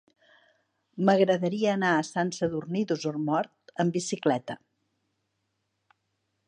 M'agradaria anar a Sant Sadurní d'Osormort amb bicicleta.